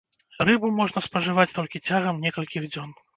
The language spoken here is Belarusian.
Рыбу можна спажываць толькі цягам некалькіх дзён.